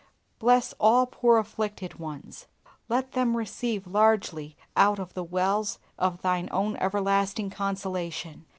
Bless all poor afflicted ones. Let them receive largely out of the wells of Thine own everlasting consolation.